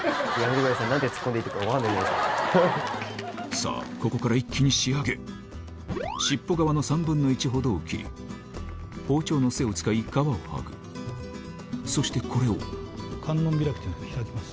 さぁここから一気に仕上げ尻尾側の３分１ほどを切り包丁の背を使い皮をはぐそしてこれを観音開きというのに開きます。